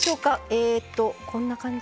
えっとこんな感じ？